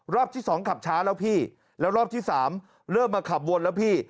รอบที่สองขับช้าแล้วพี่แล้วรอบที่สามเริ่มมาขับวนแล้วพี่